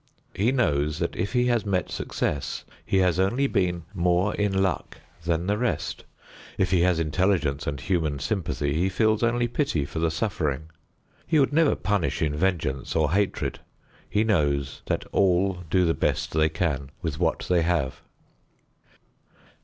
He knows that if he has met success, he has only been more in luck than the rest. If he has intelligence and human sympathy, he feels only pity for the suffering. He would never punish in vengeance or hatred. He knows that all do the best they can, with what they have.